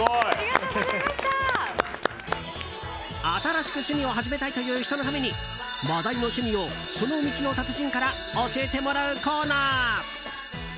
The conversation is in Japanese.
新しく趣味を始めたいという人のために話題の趣味をその道の達人から教えてもらうコーナー